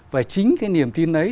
và chính cái niềm tin ấy